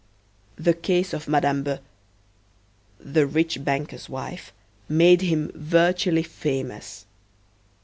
The case of Madame B , the rich banker's wife, made him virtually famous.